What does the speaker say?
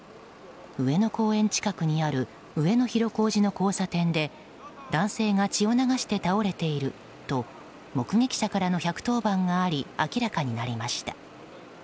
上野公園近くにある上野広小路の交差点で男性が血を流して倒れていると目撃者からの１１０番があり明らかになりました。